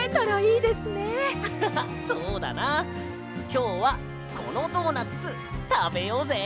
きょうはこのドーナツたべようぜ。